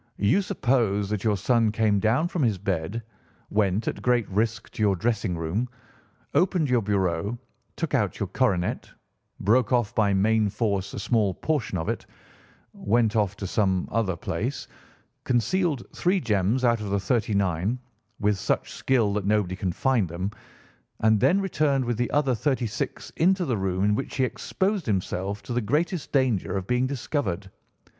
You suppose that your son came down from his bed, went, at great risk, to your dressing room, opened your bureau, took out your coronet, broke off by main force a small portion of it, went off to some other place, concealed three gems out of the thirty nine, with such skill that nobody can find them, and then returned with the other thirty six into the room in which he exposed himself to the greatest danger of being discovered.